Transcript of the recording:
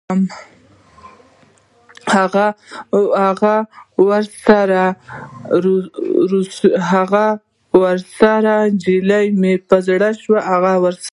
هغه روسۍ نجلۍ مې په زړه شوه او بېرته ورغلم